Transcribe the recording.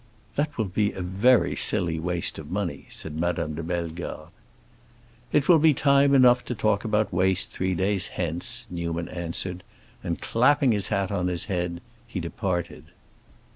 "That will be a very silly waste of money," said Madame de Bellegarde. "It will be time enough to talk about waste three days hence," Newman answered; and clapping his hat on his head, he departed.